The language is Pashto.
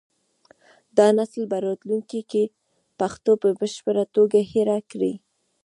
دا نسل به راتلونکي کې پښتو په بشپړه توګه هېره کړي.